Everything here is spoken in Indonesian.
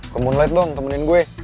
kemun light dong temenin gue